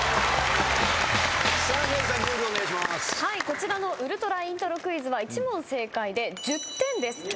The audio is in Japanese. こちらのウルトライントロクイズは１問正解で１０点です。